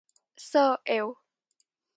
Só eu.